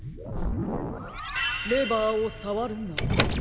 「レバーをさわるな」。